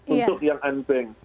untuk yang angbeng